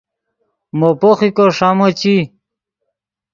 مو پوخیکو ݰامو چی